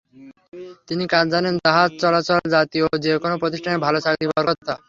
তিনি কাজ জানেন জাহাজ চলাচল জাতীয় যে-কোনো প্রতিষ্ঠানে ভালো চাকরি পাওয়ার কথা।